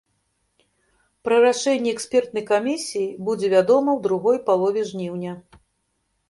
Пра рашэнне экспертнай камісіі будзе вядома ў другой палове жніўня.